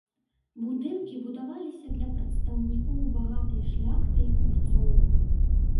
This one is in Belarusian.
Будынкі будаваліся для прадстаўнікоў багатай шляхты і купцоў.